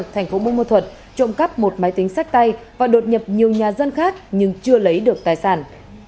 thành phố bô thuật trộm cắp một máy tính sách tay và đột nhập nhiều nhà dân khác nhưng chưa lấy được tài sản